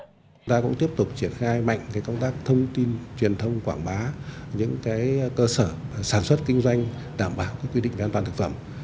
chúng ta cũng tiếp tục triển khai mạnh công tác thông tin truyền thông quảng bá những cơ sở sản xuất kinh doanh đảm bảo quy định an toàn thực phẩm